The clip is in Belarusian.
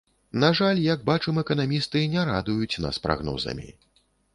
На жаль, як бачым, эканамісты не радуюць нас прагнозамі.